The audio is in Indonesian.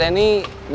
itu di dj